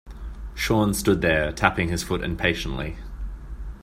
Sean stood there tapping his foot impatiently.